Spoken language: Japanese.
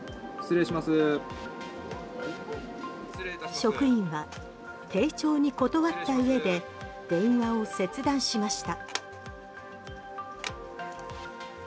職員は丁重に断った上で電話を切断しました。